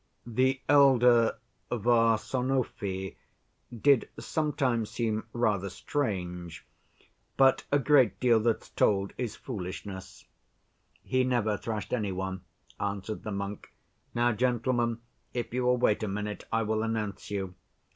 "The elder Varsonofy did sometimes seem rather strange, but a great deal that's told is foolishness. He never thrashed any one," answered the monk. "Now, gentlemen, if you will wait a minute I will announce you."